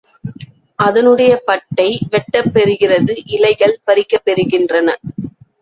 அதனுடைய பட்டை வெட்டப்பெறுகிறது இலைகள் பறிக்கப் பெறுகின்றன.